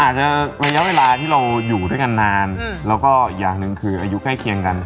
อาจจะระยะเวลาที่เราอยู่ด้วยกันนานแล้วก็อีกอย่างหนึ่งคืออายุใกล้เคียงกัน